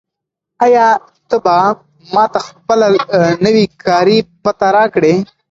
آیا ته به ماته خپله نوې کاري پته راکړې؟